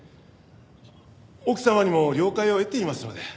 奥様にも了解を得ていますので。